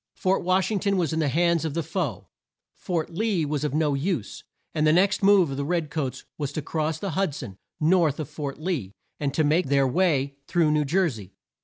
Fort Wash ing ton was in the hands of the foe; Fort Lee was of no use; and the next move of the red coats was to cross the Hud son, north of Fort Lee, and make their way through New Jer sey.